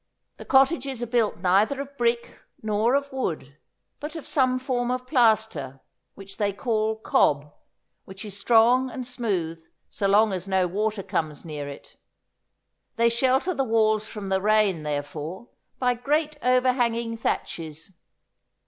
The cottages are built neither of brick nor of wood, but of some form of plaster, which they call cob, which is strong and smooth so long as no water comes near it. They shelter the walls from the rain, therefore, by great overhanging thatches.